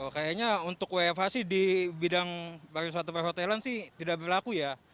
kayaknya untuk wfh sih di bidang pariwisata perhotelan sih tidak berlaku ya